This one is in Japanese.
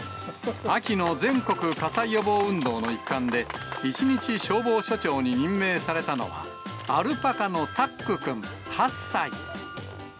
秋の全国火災予防運動の一環で、一日消防署長に任命されたのは、アルパカのタックくん８歳。